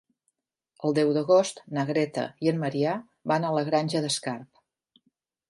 El deu d'agost na Greta i en Maria van a la Granja d'Escarp.